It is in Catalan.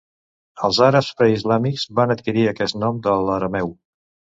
Els àrabs preislàmics van adquirir aquest nom de l'arameu.